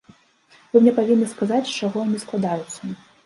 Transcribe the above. Вы мне павінны сказаць, з чаго яны складаюцца.